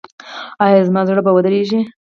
ایا زما زړه به ودریږي؟